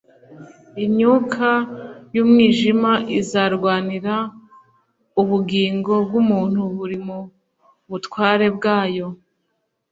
imyuka y’umwijima izarwanira ubugingo bw’umuntu buri mu butware bwayo,